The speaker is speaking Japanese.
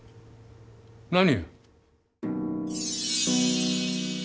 何？